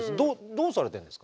どうされてるんですか？